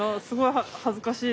お恥ずかしい。